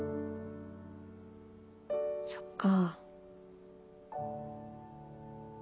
そっか。